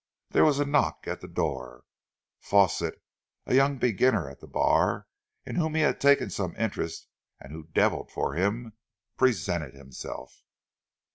There was a knock at the door. Fawsitt, a young beginner at the bar, in whom he had taken some interest and who deviled for him, presented himself.